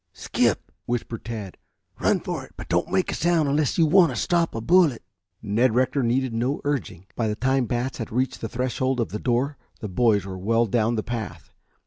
"Skip!" whispered Tad. "Run for it, but don't make a sound unless you want to stop a bullet." Ned Rector needed no urging. By the time Batts had reached the threshold of the door the boys were well down the path.